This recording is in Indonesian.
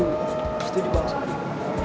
sudah dibahas tadi